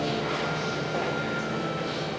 saya juga tahu dari pak al